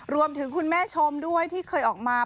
รวมถึงคุณแม่ชมด้วยที่เคยออกมา